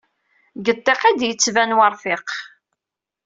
Deg ṭṭiq id yettban werfiq.